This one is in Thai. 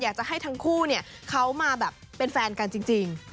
อยากจะให้ทั้งคู่เขามาแบบเป็นแฟนกันจริง